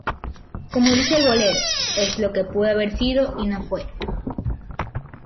Como dice el bolero, es lo que pudo haber sido y no fue.